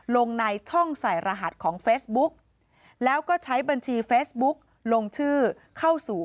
ลงในช่องใส่รหัสของเฟซบุ๊ก